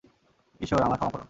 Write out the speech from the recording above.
ঈশ্বর, আমায় ক্ষমা করুন।